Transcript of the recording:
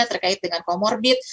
terkait dengan comorbid